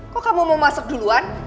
kok kamu mau masak duluan